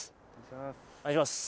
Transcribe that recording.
お願いします